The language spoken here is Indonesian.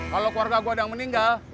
kalo keluarga gua ada yang meninggal